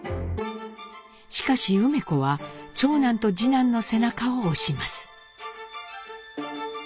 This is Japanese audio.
しかし梅子は長男と次男の背中を押します。